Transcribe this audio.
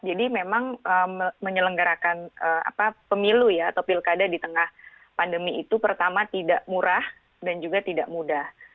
jadi memang menyelenggarakan pemilu atau pilkada di tengah pandemi itu pertama tidak murah dan juga tidak mudah